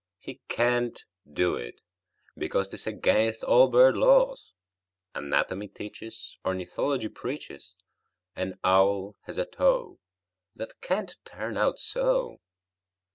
He can't do it, because 'T is against all bird laws. Anatomy teaches, Ornithology preaches An owl has a toe That can't turn out so!